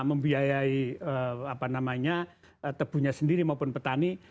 membiayai tebunya sendiri maupun petani